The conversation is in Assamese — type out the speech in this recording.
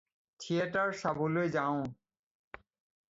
থিয়েটাৰ চাবলৈ যাওঁ।